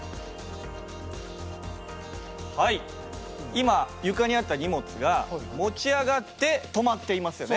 今床にあった荷物が持ち上がって止まっていますよね。